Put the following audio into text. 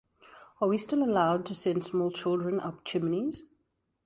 Are we still allowed to send small children up chimneys?